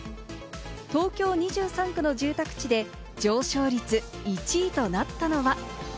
東京２３区の住宅地で上昇率１位となったのは。